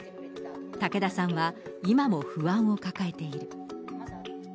武田さんは、今も不安を抱えている。